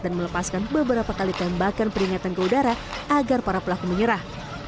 dan melepaskan beberapa kali tembakan peringatan ke udara agar para pelaku menyerah